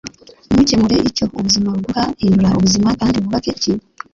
Ntukemure icyo ubuzima buguha; hindura ubuzima kandi wubake ikintu. ”